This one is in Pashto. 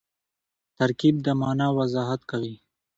ترکیب د مانا وضاحت کوي.